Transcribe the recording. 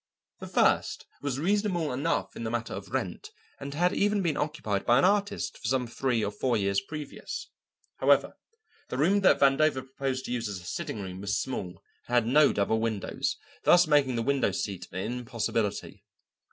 The first was reasonable enough in the matter of rent, and had even been occupied by an artist for some three or four years previous. However, the room that Vandover proposed to use as a sitting room was small and had no double windows, thus making the window seat an impossibility.